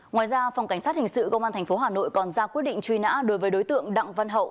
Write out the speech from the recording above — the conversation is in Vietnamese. ngoài ra phòng cảnh sát hình sự công an tp hà nội còn ra quyết định truy nã đối với đối tượng đặng văn hậu